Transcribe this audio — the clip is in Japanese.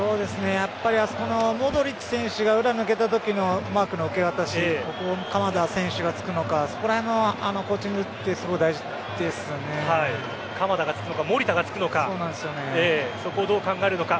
やっぱりあそこのモドリッチ選手が裏に抜けたときのマークの受け渡し鎌田選手がつくのかその辺のコーチング鎌田がつくのか守田がつくのかそこをどう考えるのか。